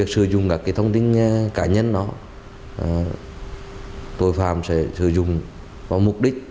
sử dụng các thông tin cá nhân đó tội phạm sẽ sử dụng vào mục đích